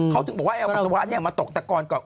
เขาถึงบอกว่าเอาปัสสาวะมาตกตะกอนก่อน